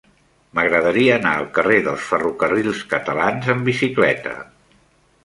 M'agradaria anar al carrer dels Ferrocarrils Catalans amb bicicleta.